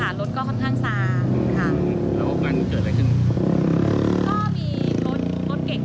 รถก็ค่อนข้างซ้ายค่ะ